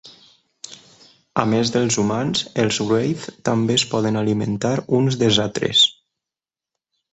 A més dels humans, els Wraith també es poden alimentar uns dels altres.